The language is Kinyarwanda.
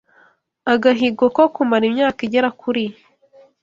agahigo ko kumara imyaka igera kuri